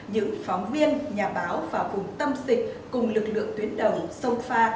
những phóng viên nhà báo và vùng tâm dịch cùng lực lượng tuyến đầu sông pha